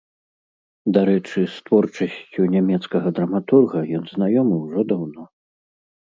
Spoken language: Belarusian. Дарэчы, з творчасцю нямецкага драматурга ён знаёмы ўжо даўно.